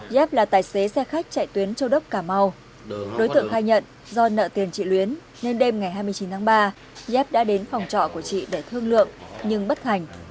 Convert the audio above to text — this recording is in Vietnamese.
giáp là tài xế xe khách chạy tuyến châu đốc cà mau đối tượng khai nhận do nợ tiền chị luyến nên đêm ngày hai mươi chín tháng ba dép đã đến phòng trọ của chị để thương lượng nhưng bất hành